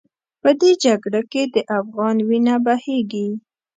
په دې جګړه کې د افغان وینه بهېږي.